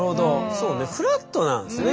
そうねフラットなんですねきっとね。